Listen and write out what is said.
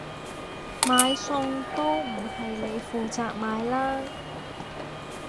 買餸都唔係你負責買啦？